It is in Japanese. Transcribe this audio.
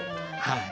はい。